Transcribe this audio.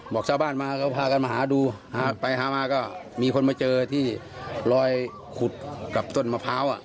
บอกชาวบ้านมาก็พากันมาหาดูหาไปหามาก็มีคนมาเจอที่ลอยขุดกับต้นมะพร้าว